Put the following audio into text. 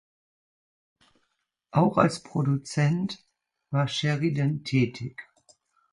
Auch als Produzent war Sheridan tätig.